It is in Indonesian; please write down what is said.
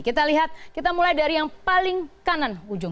kita lihat kita mulai dari yang paling kanan ujung